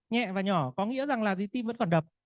nhẹ và nhỏ có nghĩa là tim vẫn còn đập